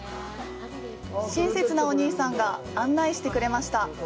親切なお兄さんが案内してくれました